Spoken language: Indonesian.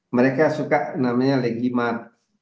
mereka suka namanya legimat